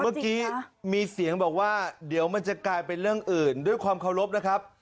เมื่อกี้มีเสียงบอกว่าเดี๋ยวมันจะกลายเป็นเรื่องอื่นด้วยความเคารพนะครับ